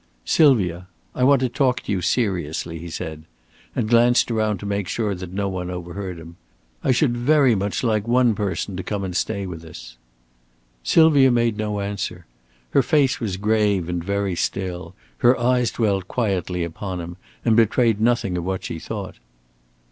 "Sylvia, I want to talk to you seriously," he said, and glanced around to make sure that no one overheard him. "I should very much like one person to come and stay with us." Sylvia made no answer. Her face was grave and very still, her eyes dwelt quietly upon him and betrayed nothing of what she thought.